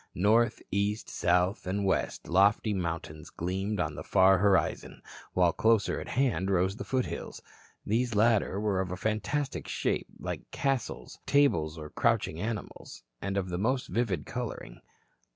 North, east, south and west lofty mountains gleamed on the far horizon, while closer at hand rose the foothills. These latter were of fantastic shapes, like castles, tables or crouching animals, and of the most vivid coloring.